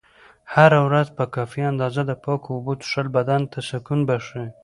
هره ورځ په کافي اندازه د پاکو اوبو څښل بدن ته سکون بښي.